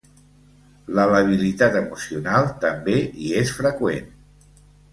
La labilitat emocional també hi és freqüent.